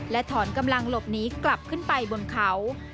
ถอนกำลังหลบหนีกลับขึ้นไปบนเขา